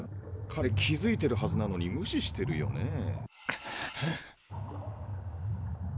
彼気づいてるはずなのに無視してるよねぇ。